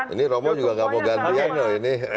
ini romo juga gak mau gantian loh ini